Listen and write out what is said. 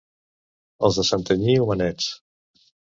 Els de Santanyí, homenets.